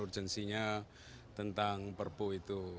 urgensinya tentang perpu itu